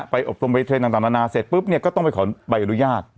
ไปอบโรมต่างต่างนานาเสร็จปุ๊บเนี้ยก็ต้องไปขอใบอนุญาต